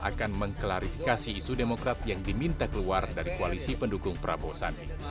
akan mengklarifikasi isu demokrat yang diminta keluar dari koalisi pendukung prabowo sandi